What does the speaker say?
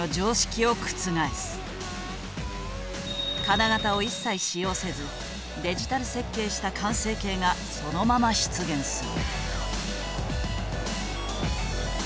金型を一切使用せずデジタル設計した完成形がそのまま出現する。